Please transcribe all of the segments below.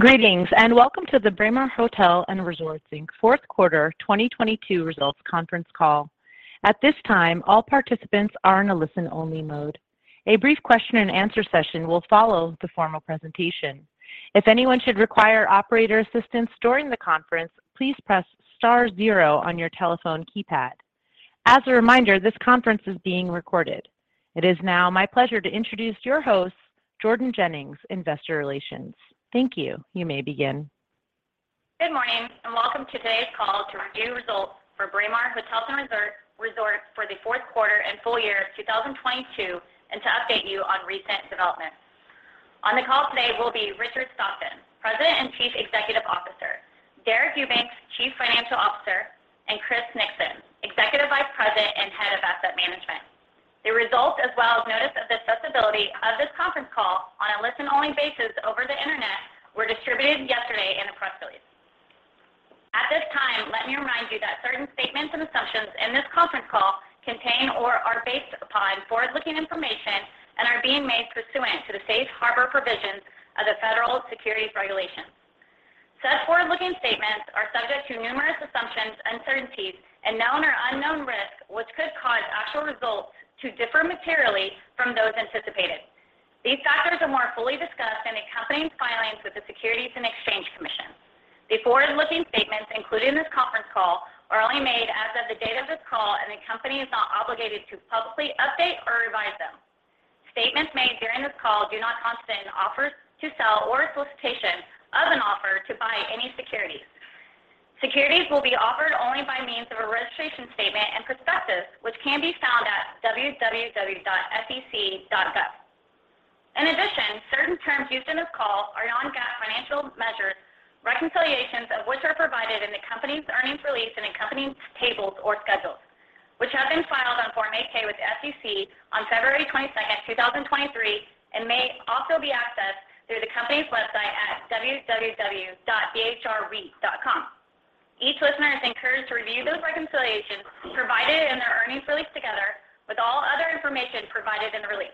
Greetings, welcome to the Braemar Hotels & Resorts Inc. fourth quarter 2022 results conference call. At this time, all participants are in a listen-only mode. A brief question and answer session will follow the formal presentation. If anyone should require operator assistance during the conference, please press star zero on your telephone keypad. As a reminder, this conference is being recorded. It is now my pleasure to introduce your host, Jordan Jennings, Investor Relations. Thank you. You may begin. Good morning. Welcome to today's call to review results for Braemar Hotels & Resorts for the fourth quarter and full year of 2022, and to update you on recent developments. On the call today will be Richard Stockton, President and Chief Executive Officer, Deric Eubanks, Chief Financial Officer, and Chris Nixon, Executive Vice President and Head of Asset Management. The results, as well as notice of the accessibility of this conference call on a listen-only basis over the Internet, were distributed yesterday in a press release. At this time, let me remind you that certain statements and assumptions in this conference call contain or are based upon forward-looking information and are being made pursuant to the safe harbor provisions of the Federal Securities Regulation. Said forward-looking statements are subject to numerous assumptions, uncertainties, and known or unknown risks, which could cause actual results to differ materially from those anticipated. These factors are more fully discussed in accompanying filings with the Securities and Exchange Commission. The forward-looking statements included in this conference call are only made as of the date of this call, and the company is not obligated to publicly update or revise them. Statements made during this call do not constitute an offer to sell or solicitation of an offer to buy any securities. Securities will be offered only by means of a registration statement and prospectus, which can be found at www.sec.gov. In addition, certain terms used in this call are non-GAAP financial measures, reconciliations of which are provided in the company's earnings release and accompanying tables or schedules, which have been filed on Form 8-K with the SEC on February 22nd, 2023, and may also be accessed through the company's website at www.bhrreit.com. Each listener is encouraged to review those reconciliations provided in their earnings release together with all other information provided in the release.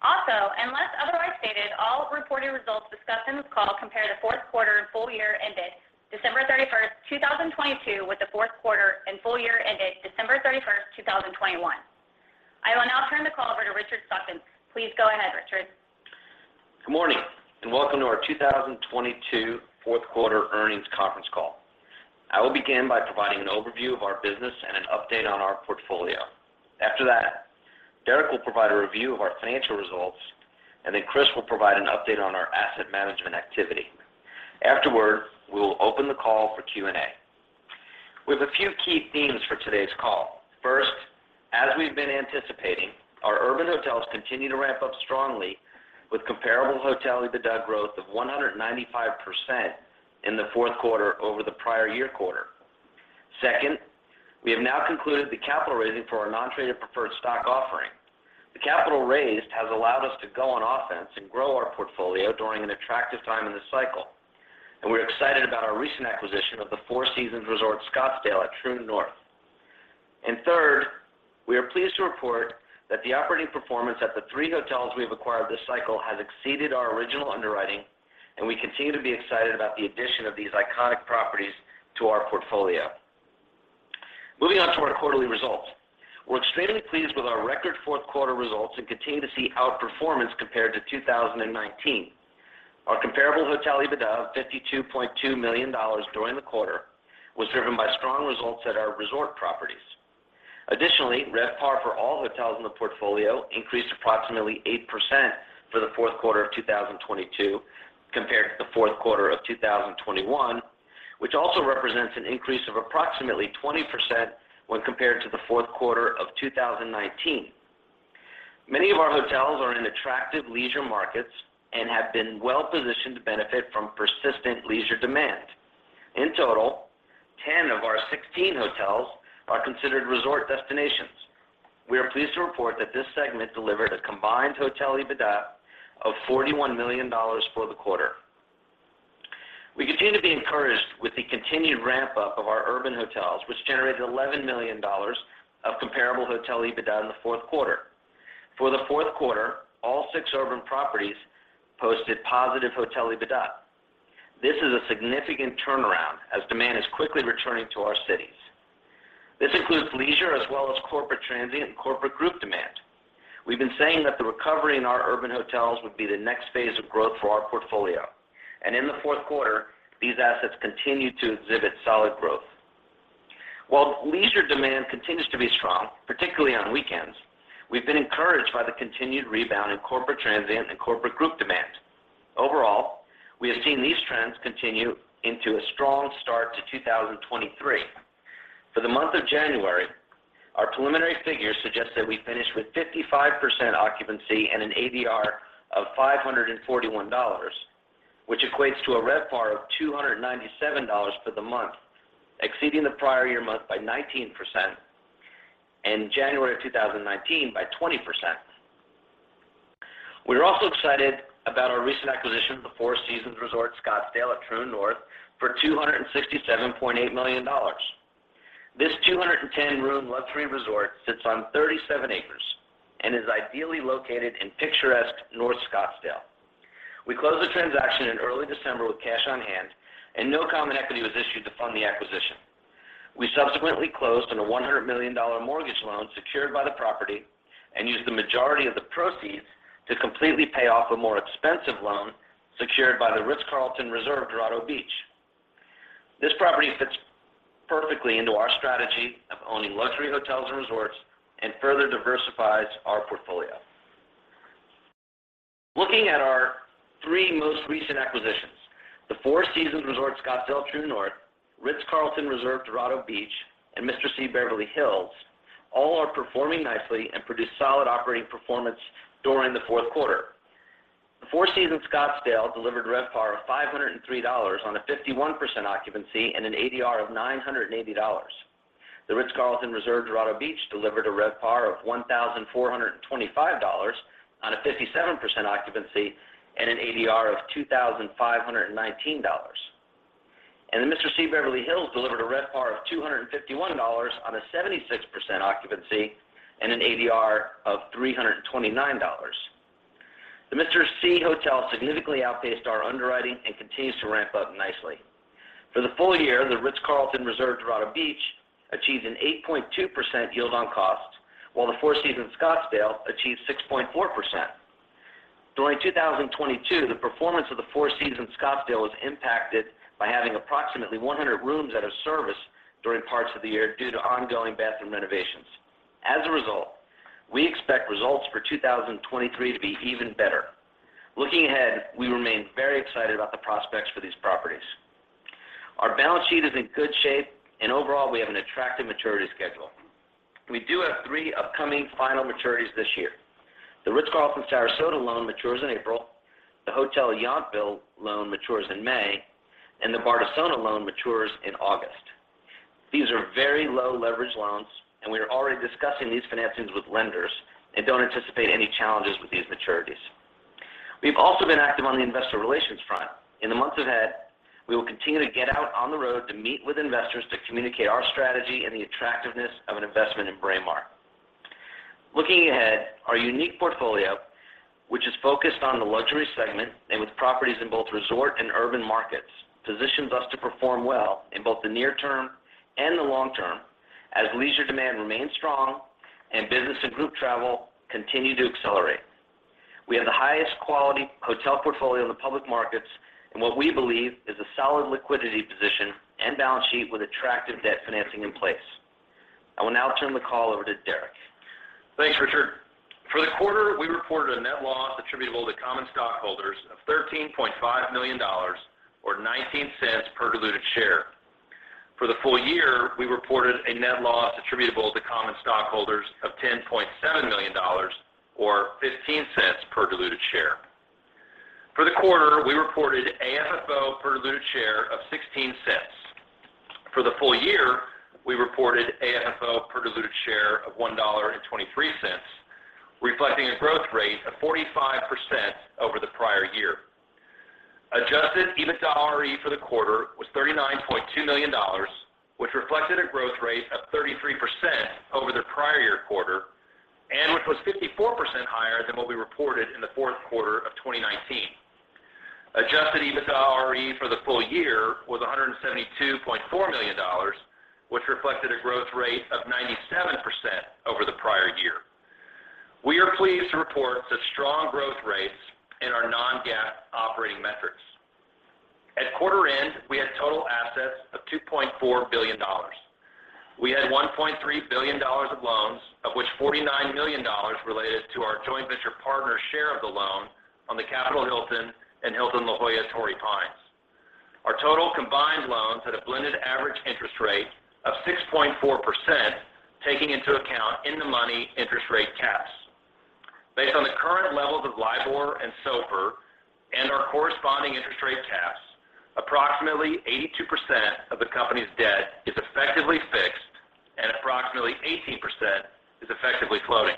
Also, unless otherwise stated, all reported results discussed in this call compare the fourth quarter and full year ended December 31st, 2022, with the fourth quarter and full year ended December 31st, 2021. I will now turn the call over to Richard Stockton. Please go ahead, Richard. Good morning. Welcome to our 2022 fourth quarter earnings conference call. I will begin by providing an overview of our business and an update on our portfolio. After that, Deric will provide a review of our financial results. Chris will provide an update on our asset management activity. Afterward, we will open the call for Q&A. We have a few key themes for today's call. First, as we've been anticipating, our urban hotels continue to ramp up strongly with comparable hotel EBITDA growth of 195% in the fourth quarter over the prior year quarter. Second, we have now concluded the capital raising for our non-traded preferred stock offering. The capital raised has allowed us to go on offense and grow our portfolio during an attractive time in the cycle. We're excited about our recent acquisition of the Four Seasons Resort Scottsdale at Troon North. Third, we are pleased to report that the operating performance at the three hotels we have acquired this cycle has exceeded our original underwriting. We continue to be excited about the addition of these iconic properties to our portfolio. Moving on to our quarterly results. We're extremely pleased with our record fourth quarter results. We continue to see outperformance compared to 2019. Our comparable hotel EBITDA of $52.2 million during the quarter was driven by strong results at our resort properties. Additionally, RevPAR for all hotels in the portfolio increased approximately 8% for the fourth quarter of 2022 compared to the fourth quarter of 2021, which also represents an increase of approximately 20% when compared to the fourth quarter of 2019. Many of our hotels are in attractive leisure markets and have been well-positioned to benefit from persistent leisure demand. In total, 10 of our 16 hotels are considered resort destinations. We are pleased to report that this segment delivered a combined hotel EBITDA of $41 million for the quarter. We continue to be encouraged with the continued ramp-up of our urban hotels, which generated $11 million of comparable hotel EBITDA in the fourth quarter. For the fourth quarter, all 6 urban properties posted positive hotel EBITDA. This is a significant turnaround as demand is quickly returning to our cities. This includes leisure as well as corporate transient and corporate group demand. We've been saying that the recovery in our urban hotels would be the next phase of growth for our portfolio, and in the fourth quarter, these assets continued to exhibit solid growth. While leisure demand continues to be strong, particularly on weekends, we've been encouraged by the continued rebound in corporate transient and corporate group demand. Overall, we have seen these trends continue into a strong start to 2023. For the month of January, our preliminary figures suggest that we finished with 55% occupancy and an ADR of $541, which equates to a RevPAR of $297 for the month, exceeding the prior year month by 19%, and January of 2019 by 20%. We are also excited about our recent acquisition of the Four Seasons Resort Scottsdale at Troon North for $267.8 million. This 210-room luxury resort sits on 37 acres and is ideally located in picturesque North Scottsdale. We closed the transaction in early December with cash on hand. No common equity was issued to fund the acquisition. We subsequently closed on a $100 million mortgage loan secured by the property and used the majority of the proceeds to completely pay off a more expensive loan secured by the Ritz-Carlton Reserve Dorado Beach. This property fits perfectly into our strategy of owning luxury hotels and resorts and further diversifies our portfolio. Looking at our three most recent acquisitions, The Four Seasons Resort Scottsdale at Troon North, Ritz-Carlton Reserve Dorado Beach. Mr. C Beverly Hills all are performing nicely and produced solid operating performance during the fourth quarter. The Four Seasons Scottsdale delivered RevPAR of $503 on a 51% occupancy and an ADR of $980. Dorado Beach, a Ritz-Carlton Reserve delivered a RevPAR of $1,425 on a 57% occupancy and an ADR of $2,519. The Mr. C Beverly Hills delivered a RevPAR of $251 on a 76% occupancy and an ADR of $329. The Mr. C Hotel significantly outpaced our underwriting and continues to ramp up nicely. For the full year, Dorado Beach, a Ritz-Carlton Reserve achieved an 8.2% yield on costs, while the Four Seasons Scottsdale achieved 6.4%. During 2022, the performance of the Four Seasons Scottsdale was impacted by having approximately 100 rooms out of service during parts of the year due to ongoing bathroom renovations. As a result, we expect results for 2023 to be even better. Looking ahead, we remain very excited about the prospects for these properties. Our balance sheet is in good shape, and overall, we have an attractive maturity schedule. We do have three upcoming final maturities this year. The Ritz-Carlton, Sarasota loan matures in April, the Hotel Yountville loan matures in May, and the Bardessono loan matures in August. These are very low leverage loans, and we are already discussing these financings with lenders and don't anticipate any challenges with these maturities. We've also been active on the investor relations front. In the months ahead, we will continue to get out on the road to meet with investors to communicate our strategy and the attractiveness of an investment in Braemar. Looking ahead, our unique portfolio, which is focused on the luxury segment and with properties in both resort and urban markets, positions us to perform well in both the near term and the long term as leisure demand remains strong and business and group travel continue to accelerate. We have the highest quality hotel portfolio in the public markets in what we believe is a solid liquidity position and balance sheet with attractive debt financing in place. I will now turn the call over to Derik. Thanks, Richard. For the quarter, we reported a net loss attributable to common stockholders of $13.5 million or $0.19 per diluted share. For the full year, we reported a net loss attributable to common stockholders of $10.7 million or $0.15 per diluted share. For the quarter, we reported AFFO per diluted share of $0.16. For the full year, we reported AFFO per diluted share of $1.23, reflecting a growth rate of 45% over the prior year. Adjusted EBITDAre for the quarter was $39.2 million, which reflected a growth rate of 33% over the prior year quarter and which was 54% higher than what we reported in the fourth quarter of 2019. Adjusted EBITDARE for the full year was $172.4 million, which reflected a growth rate of 97% over the prior year. We are pleased to report such strong growth rates in our non-GAAP operating metrics. At quarter-end, we had total assets of $2.4 billion. We had $1.3 billion of loans, of which $49 million related to our joint venture partner's share of the loan on the Capital Hilton and Hilton La Jolla Torrey Pines. Our total combined loans had a blended average interest rate of 6.4%, taking into account in-the-money interest rate caps. Based on the current levels of LIBOR and SOFR and our corresponding interest rate caps, approximately 82% of the company's debt is effectively fixed and approximately 18% is effectively floating.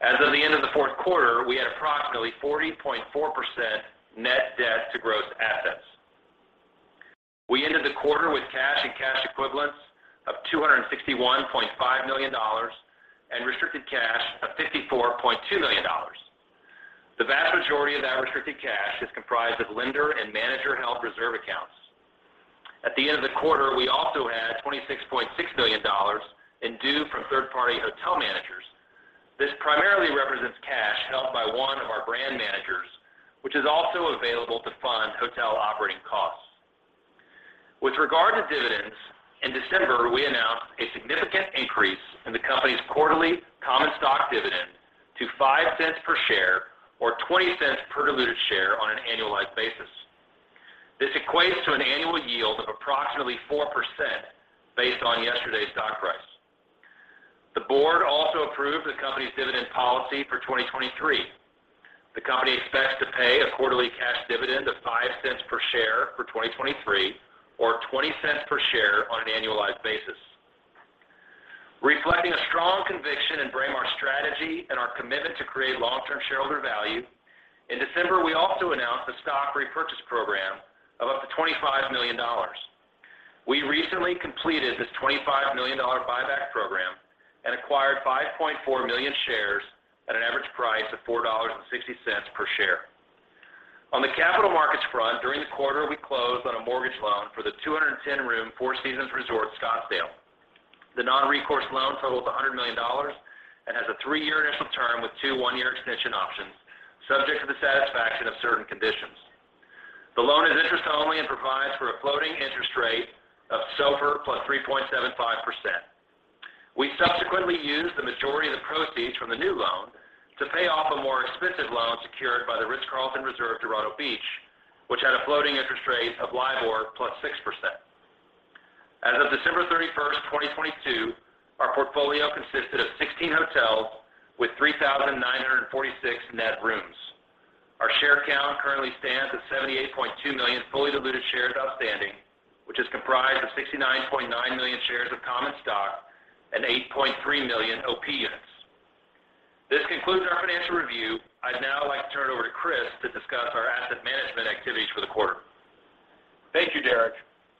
As of the end of the fourth quarter, we had approximately 40.4% net debt to gross assets. We ended the quarter with cash and cash equivalents of $261.5 million and restricted cash of $54.2 million. The vast majority of that restricted cash is comprised of lender- and manager-held reserve accounts. At the end of the quarter, we also had $26.6 million in due from third-party hotel managers. This primarily represents cash held by one of our brand managers, which is also available to fund hotel operating costs. With regard to dividends, in December, we announced a significant increase in the company's quarterly common stock dividend to $0.05 per share or $0.20 per diluted share on an annualized basis. This equates to an annual yield of approximately 4% based on yesterday's stock price. The board also approved the company's dividend policy for 2023. The company expects to pay a quarterly cash dividend of $0.05 per share for 2023 or $0.20 per share on an annualized basis. Reflecting a strong conviction in Braemar strategy and our commitment to create long-term shareholder value, in December, we also announced a stock repurchase program of up to $25 million. We recently completed this $25 million buyback program and acquired 5.4 million shares at an average price of $4.60 per share. On the capital markets front, during the quarter, we closed on a mortgage loan for the 210-room Four Seasons Resort Scottsdale. The non-recourse loan totals $100 million and has a 3-year initial term with 2 one-year extension options, subject to the satisfaction of certain conditions. The loan is interest-only and provides for a floating interest rate of SOFR plus 3.75%. We subsequently used the majority of the proceeds from the new loan to pay off a more expensive loan secured by the Dorado Beach, a Ritz-Carlton Reserve, which had a floating interest rate of LIBOR plus 6%. As of December 31, 2022, our portfolio consisted of 16 hotels with 3,946 net rooms. Our share count currently stands at 78.2 million fully diluted shares outstanding, which is comprised of 69.9 million shares of common stock and 8.3 million OP units. This concludes our financial review. I'd now like to turn it over to Chris to discuss our asset management activities for the quarter. Thank you, Deric.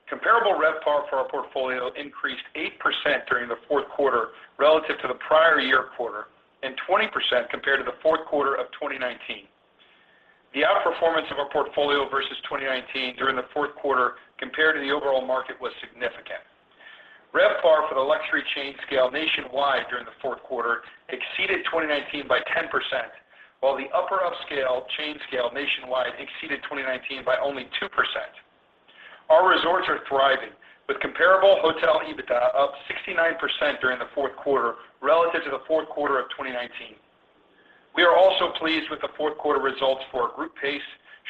Comparable RevPAR for our portfolio increased 8% during the fourth quarter relative to the prior year quarter, 20% compared to the fourth quarter of 2019. The outperformance of our portfolio versus 2019 during the fourth quarter compared to the overall market was significant. RevPAR for the luxury chain scale nationwide during the fourth quarter exceeded 2019 by 10%, while the upper upscale chain scale nationwide exceeded 2019 by only 2%. Our resorts are thriving, with comparable hotel EBITDA up 69% during the fourth quarter relative to the fourth quarter of 2019. We are also pleased with the fourth quarter results for group pace,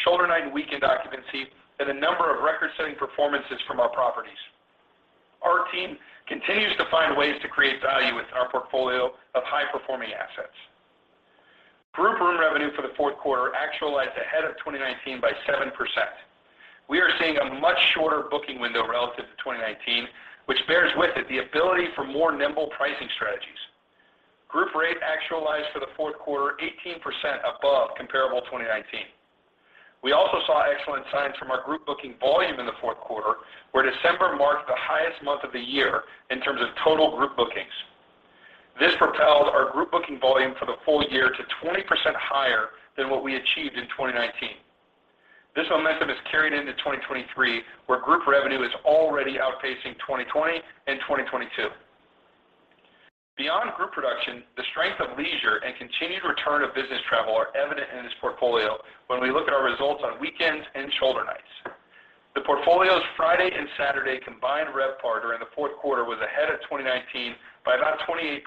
shoulder night and weekend occupancy, and a number of record-setting performances from our properties. Our team continues to find ways to create value within our portfolio of high-performing assets. Group room revenue for the fourth quarter actualized ahead of 2019 by 7%. We are seeing a much shorter booking window relative to 2019, which bears with it the ability for more nimble pricing strategies. Group rate actualized for the fourth quarter 18% above comparable 2019. We also saw excellent signs from our group booking volume in the fourth quarter, where December marked the highest month of the year in terms of total group bookings. This propelled our group booking volume for the full year to 20% higher than what we achieved in 2019. This momentum has carried into 2023, where group revenue is already outpacing 2020 and 2022. Beyond group production, the strength of leisure and continued return of business travel are evident in this portfolio when we look at our results on weekends and shoulder nights. The portfolio's Friday and Saturday combined RevPAR during the fourth quarter was ahead of 2019 by about 28%.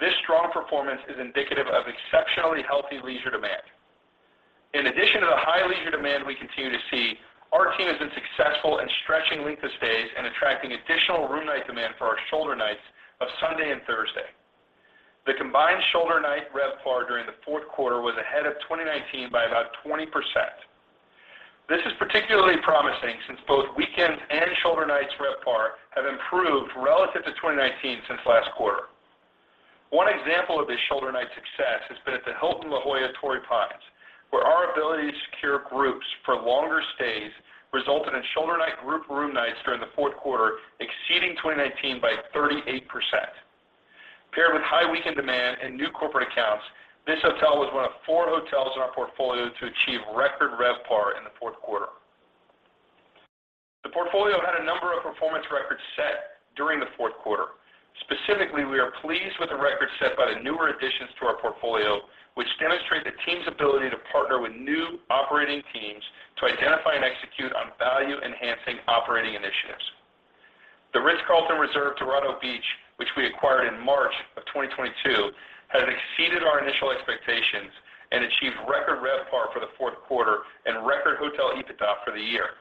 This strong performance is indicative of exceptionally healthy leisure demand. In addition to the high leisure demand we continue to see, our team has been successful in stretching length of stays and attracting additional room night demand for our shoulder nights of Sunday and Thursday. The combined shoulder night RevPAR during the fourth quarter was ahead of 2019 by about 20%. This is particularly promising since both weekends and shoulder nights RevPAR have improved relative to 2019 since last quarter. One example of this shoulder night success has been at the Hilton La Jolla Torrey Pines, where our ability to secure groups for longer stays resulted in shoulder night group room nights during the fourth quarter exceeding 2019 by 38%. Paired with high weekend demand and new corporate accounts, this hotel was one of four hotels in our portfolio to achieve record RevPAR in the fourth quarter. The portfolio had a number of performance records set during the fourth quarter. Specifically, we are pleased with the records set by the newer additions to our portfolio, which demonstrate the team's ability to partner with new operating teams to identify and execute on value-enhancing operating initiatives. The Dorado Beach, a Ritz-Carlton Reserve, which we acquired in March of 2022, has exceeded our initial expectations and achieved record RevPAR for the fourth quarter and record hotel EBITDA for the year.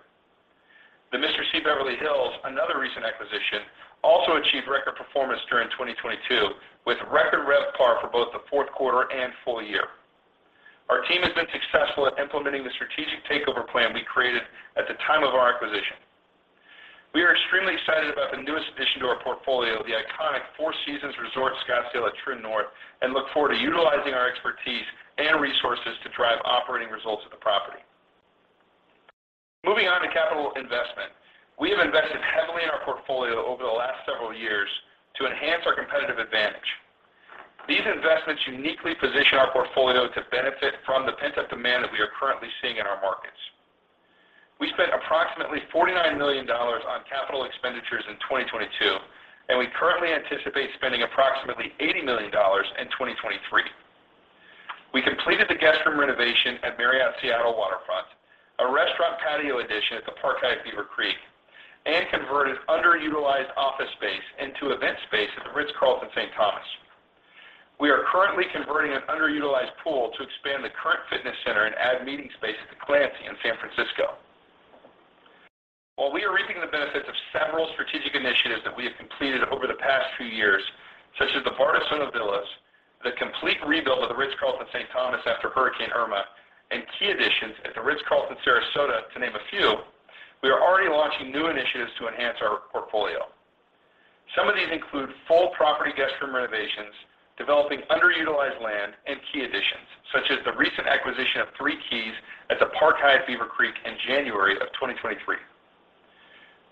The Mr. C Beverly Hills, another recent acquisition, also achieved record performance during 2022, with record RevPAR for both the fourth quarter and full year. Our team has been successful at implementing the strategic takeover plan we created at the time of our acquisition. We are extremely excited about the newest addition to our portfolio, the iconic Four Seasons Resort Scottsdale at Troon North, and look forward to utilizing our expertise and resources to drive operating results of the property. Moving on to capital investment. We have invested heavily in our portfolio over the last several years to enhance our competitive advantage. These investments uniquely position our portfolio to benefit from the pent-up demand that we are currently seeing in our markets. We spent approximately $49 million on capital expenditures in 2022, and we currently anticipate spending approximately $80 million in 2023. We completed the guest room renovation at Seattle Marriott Waterfront, a restaurant patio addition at the Park Hyatt Beaver Creek, and converted underutilized office space into event space at The Ritz-Carlton, St. Thomas. We are currently converting an underutilized pool to expand the current fitness center and add meeting space at The Clancy in San Francisco. While we are reaping the benefits of several strategic initiatives that we have completed over the past few years, such as the complete rebuild of The Ritz-Carlton, St. Thomas after Hurricane Irma and key additions at The Ritz-Carlton, Sarasota, to name a few, we are already launching new initiatives to enhance our portfolio. Some of these include full property guest room renovations, developing underutilized land, and key additions, such as the recent acquisition of three keys at The Park Hyatt Beaver Creek in January of 2023.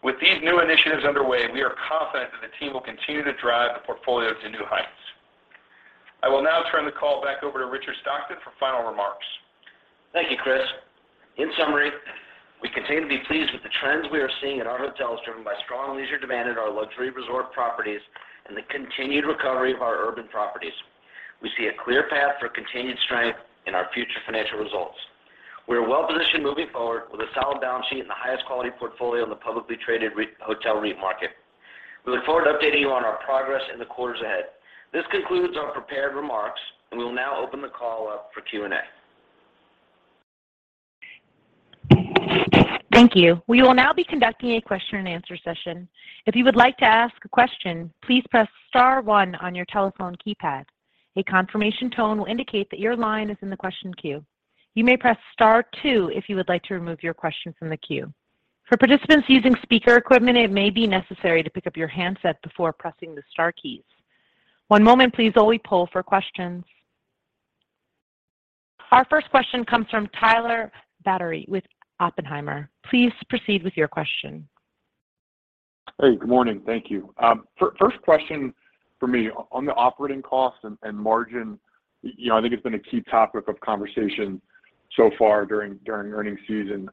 With these new initiatives underway, we are confident that the team will continue to drive the portfolio to new heights. I will now turn the call back over to Richard Stockton for final remarks. Thank you, Chris. In summary, we continue to be pleased with the trends we are seeing in our hotels driven by strong leisure demand at our luxury resort properties and the continued recovery of our urban properties. We see a clear path for continued strength in our future financial results. We are well positioned moving forward with a solid balance sheet and the highest quality portfolio in the publicly traded hotel REIT market. We look forward to updating you on our progress in the quarters ahead. This concludes our prepared remarks, and we will now open the call up for Q&A. Thank you. We will now be conducting a question and answer session. If you would like to ask a question, please press star one on your telephone keypad. A confirmation tone will indicate that your line is in the question queue. You may press star two if you would like to remove your question from the queue. For participants using speaker equipment, it may be necessary to pick up your handset before pressing the star keys. One moment please while we poll for questions. Our first question comes from Tyler Batory with Oppenheimer. Please proceed with your question. Hey, good morning. Thank you. First question for me on the operating costs and margin, you know, I think it's been a key topic of conversation so far during earnings season.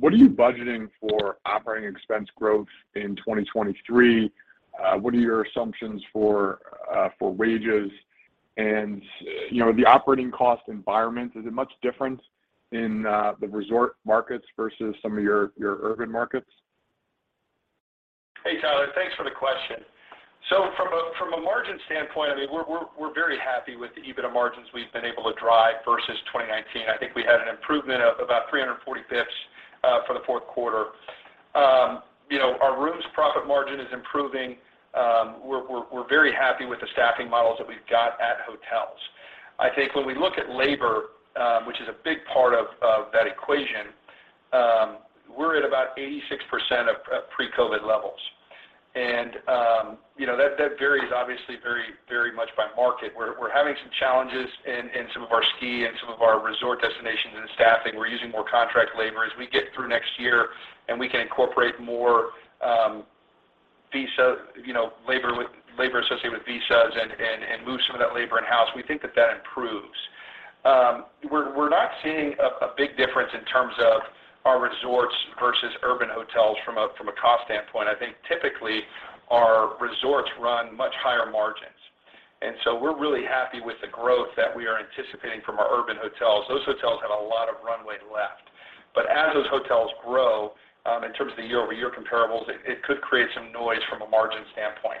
What are you budgeting for operating expense growth in 2023? What are your assumptions for wages? You know, the operating cost environment, is it much different in the resort markets versus some of your urban markets? Hey, Tyler. Thanks for the question. From a margin standpoint, I mean, we're very happy with the EBITDA margins we've been able to drive versus 2019. I think we had an improvement of about 340 bips for the fourth quarter. You know, our rooms profit margin is improving. We're very happy with the staffing models that we've got at hotels. I think when we look at labor, which is a big part of that equation, we're at about 86% of pre-COVID levels. You know, that varies obviously very much by market. We're having some challenges in some of our ski and some of our resort destinations and staffing. We're using more contract labor. As we get through next year and we can incorporate more, visa, you know, labor associated with visas and move some of that labor in-house, we think that that improves. We're not seeing a big difference in terms of our resorts versus urban hotels from a cost standpoint. I think typically our resorts run much higher margins. We're really happy with the growth that we are anticipating from our urban hotels. Those hotels have a lot of runway left. As those hotels grow, in terms of the year-over-year comparables, it could create some noise from a margin standpoint.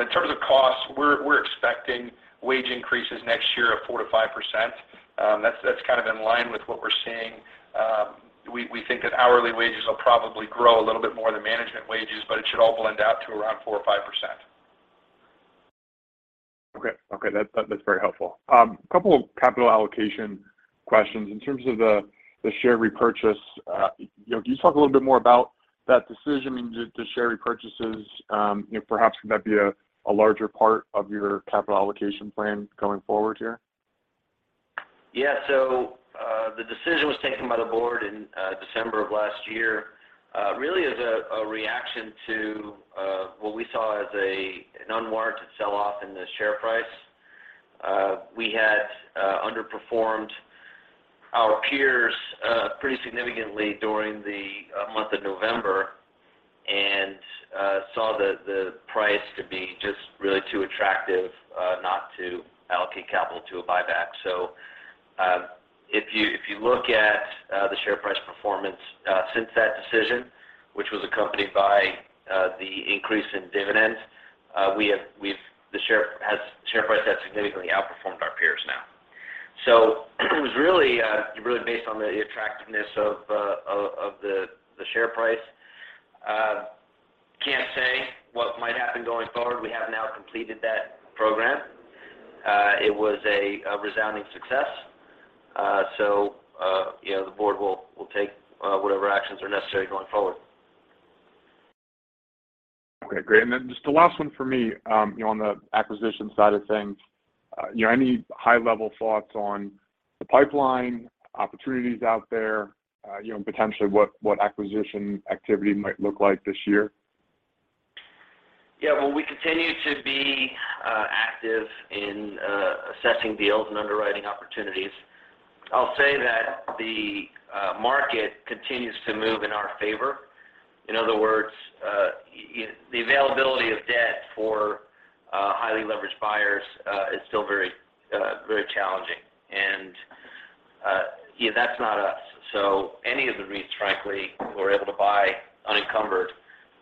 In terms of costs, we're expecting wage increases next year of 4% to 5%. That's kind of in line with what we're seeing. We think that hourly wages will probably grow a little bit more than management wages, but it should all blend out to around 4% or 5%. Okay. Okay. That's very helpful. A couple of capital allocation questions. In terms of the share repurchase, you know, can you talk a little bit more about that decision to share repurchases? You know, perhaps could that be a larger part of your capital allocation plan going forward here? The decision was taken by the board in December of last year, really as a reaction to what we saw as an unwarranted sell-off in the share price. We had underperformed our peers pretty significantly during the month of November and saw the price to be just really too attractive not to allocate capital to a buyback. If you, if you look at the share price performance since that decision, which was accompanied by the increase in dividends, the share price has significantly outperformed our peers now. It was really based on the attractiveness of the share price. Can't say what might happen going forward. We have now completed that program. It was a resounding success. You know, the board will take whatever actions are necessary going forward. Okay, great. Then just the last one for me, you know, on the acquisition side of things, you know, any high-level thoughts on the pipeline opportunities out there, you know, and potentially what acquisition activity might look like this year? Yeah. Well, we continue to be active in assessing deals and underwriting opportunities. I'll say that the market continues to move in our favor. In other words, the availability of debt for highly leveraged buyers is still very, very challenging. You know, that's not us. Any of the REITs, frankly, who are able to buy unencumbered,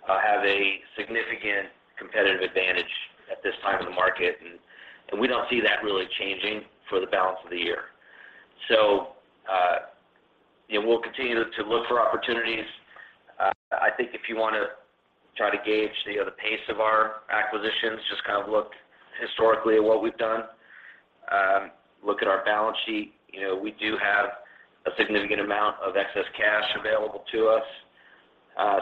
have a significant competitive advantage at this time in the market. We don't see that really changing for the balance of the year. We'll continue to look for opportunities. I think if you wanna try to gauge, you know, the pace of our acquisitions, just kind of look historically at what we've done, look at our balance sheet. You know, we do have a significant amount of excess cash available to us. I'm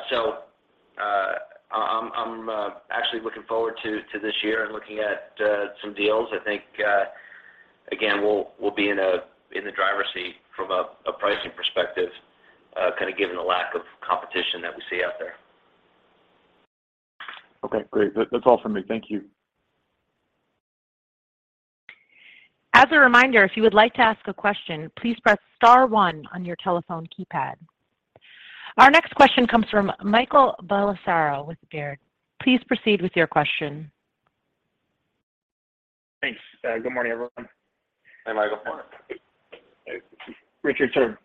actually looking forward to this ye ar and lo oking at some deals. I think, again, we'll be in the driver's seat from a pricing perspective, kind of given the lack of competition that we see out there. Okay, great. That's all for me. Thank you. As a reminder, if you would like to ask a question, please press star one on your telephone keypad. Our next question comes from Michael Bellisario with Baird. Please proceed with your question. Thanks. Good morning, everyone. Hi, Michael. Richard, sort of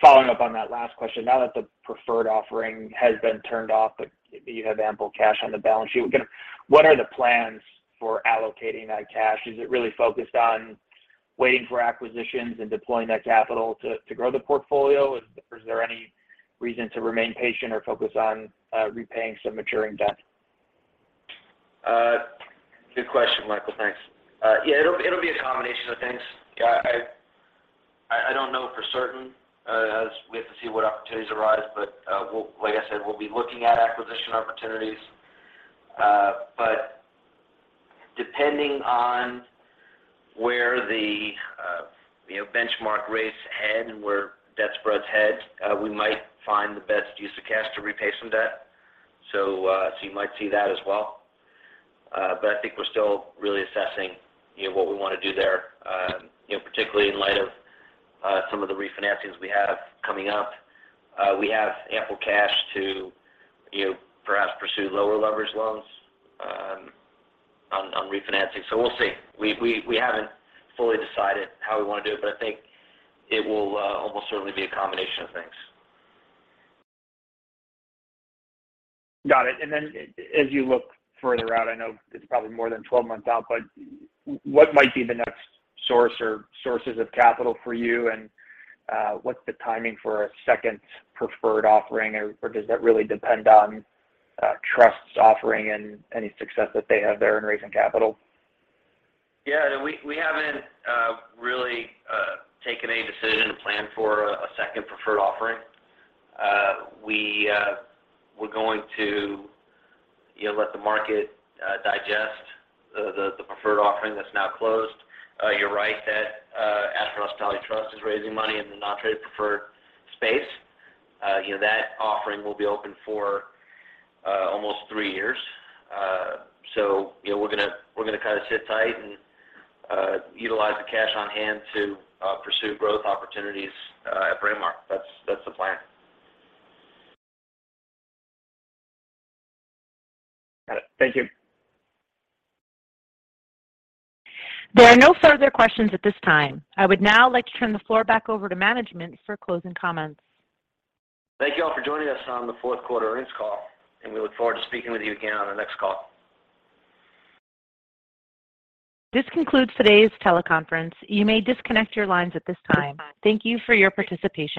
following up on that last question. Now that the preferred offering has been turned off, but you have ample cash on the balance sheet, kind of what are the plans for allocating that cash? Is it really focused on waiting for acquisitions and deploying that capital to grow the portfolio? Is there any reason to remain patient or focus on repaying some maturing debt? Good question, Michael. Thanks. Yeah, it'll be a combination of things. Yeah, I don't know for certain as we have to see what opportunities arise. Like I said, we'll be looking at acquisition opportunities. Depending on where the, you know, benchmark rates head and where debt spreads head, we might find the best use of cash to repay some debt. You might see that as well. I think we're still really assessing, you know, what we wanna do there, you know, particularly in light of some of the refinancings we have coming up. We have ample cash to, you know, perhaps pursue lower leverage loans on refinancing. We'll see. We haven't fully decided how we wanna do it, but I think it will almost certainly be a combination of things. Got it. Then as you look further out, I know it's probably more than 12 months out, but what might be the next source or sources of capital for you, and what's the timing for a second preferred offering? Or does that really depend on trusts offering and any success that they have there in raising capital? Yeah. No, we haven't really taken a decision to plan for a second preferred offering. We're going to, you know, let the market digest the preferred offering that's now closed. You're right that Ashford Hospitality Trust is raising money in the non-traded preferred space. You know, that offering will be open for almost 3 years. You know, we're gonna, we're gonna kind of sit tight and utilize the cash on hand to pursue growth opportunities at Braemar. That's the plan. Got it. Thank you. There are no further questions at this time. I would now like to turn the floor back over to management for closing comments. Thank you all for joining us on the fourth quarter earnings call. We look forward to speaking with you again on our next call. This concludes today's teleconference. You may disconnect your lines at this time. Thank you for your participation.